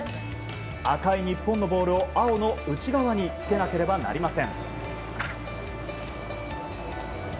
赤い日本のボールを青の内側につけなければなりません。